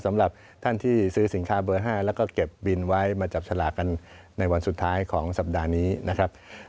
สำหรับท่านที่ซื้อสินค้าเบอร์๕แล้วก็เก็บบินไว้มาจับฉลากกันในวันสุดท้ายของสัปดาห์นี้นะครับ